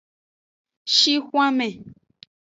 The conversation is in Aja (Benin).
Shixwanme.